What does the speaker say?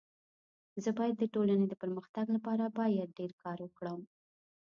زه بايد د ټولني د پرمختګ لپاره باید ډير کار وکړم.